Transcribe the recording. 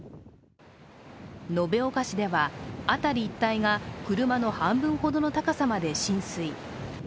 延岡市では辺り一帯が車の半分ほどの高さまで浸水。